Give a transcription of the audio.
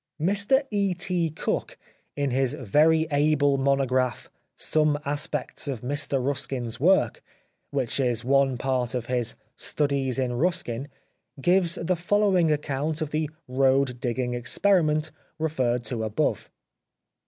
Mr E. T. Cook in his very able monograph, " Some Aspects of Mr Ruskin's Work," which is one part of his " Studies in Ruskin," gives the following account of the " road digging experiment," referred to above.